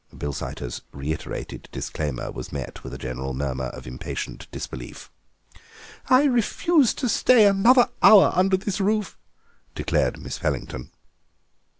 Bilsiter's reiterated disclaimer was met with a general murmur of impatient disbelief. "I refuse to stay another hour under this roof," declared Mavis Pellington.